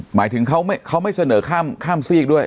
หมายถึงเขาไม่เสนอข้ามซีกด้วย